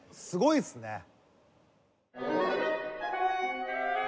すごいですね。